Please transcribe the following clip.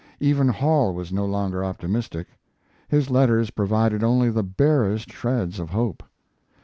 Even Hall was no longer optimistic. His letters provided only the barest shreds of hope.